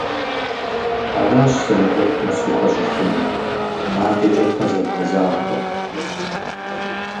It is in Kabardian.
Аращ сэ мы ӏуэхум схухэщӏыхьынур, адэкӏэ фэ зэвгъэзахуэ.